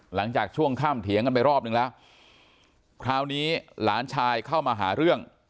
หลังจากช่วงข้ามเถียงกันไปรอบนึงแล้วคราวนี้หลานชายเข้ามาหาเรื่อง